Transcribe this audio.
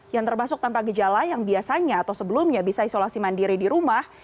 yang termasuk tanpa gejala yang biasanya atau sebelumnya bisa isolasi mandiri di rumah